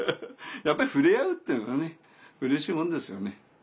やっぱり触れ合うっていうのはねうれしいもんですよね。